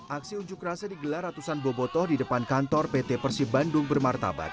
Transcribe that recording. aksi unjuk rasa di gelar ratusan boboto di depan kantor pt persib bandung bermartabat